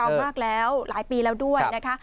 มากแล้วหลายปีแล้วด้วยนะคะ